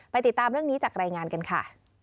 ติดตามเรื่องนี้จากรายงานกันค่ะ